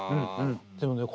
でもね